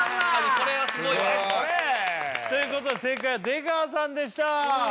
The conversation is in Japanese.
これはすごいわということで正解は出川さんでした